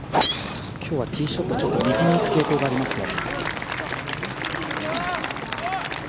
今日はティーショット右に行く傾向がありますね。